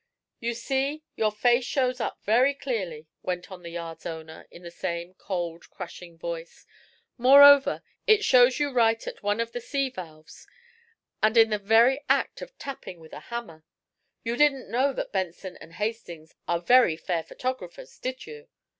"You see, your face shows up very clearly," went on the yard's owner, in the same cold, crushing voice. "Moreover, it shows you right at one of the sea valves, and in the very act of tapping with a hammer. You didn't know that Benson and Hastings are very fair photographers, did you?"